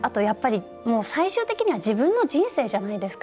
最終的には自分の人生じゃないですか。